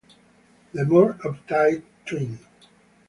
The more uptight twin.